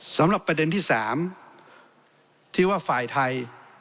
สำหรับประเด็นที่๓ที่ว่าฝ่ายไทย